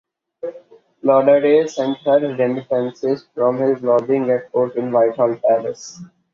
Lauderdale sent her remittances from his lodging at court in Whitehall Palace.